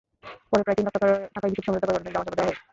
পরে প্রায় তিন লাখ টাকায় বিষয়টি সমঝোতা করে ঘটনাটি ধামাচাপা দেওয়া হয়।